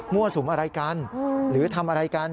สุมอะไรกันหรือทำอะไรกัน